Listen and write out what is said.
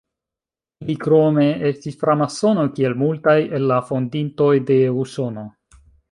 Li krome estis framasono, kiel multaj el la fondintoj de Usono.